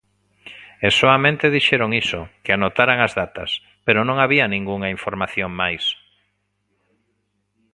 E soamente dixeron iso, que anotaran as datas, pero non había ningunha información máis.